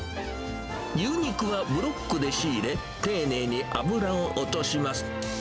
牛肉はブロックで仕入れ、丁寧に脂を落とします。